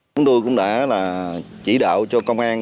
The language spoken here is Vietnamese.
chúng tôi cũng đã chỉ đạo cho công an